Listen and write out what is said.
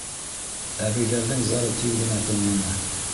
Әбейҙәрҙең зары тиҙ генә тынманы.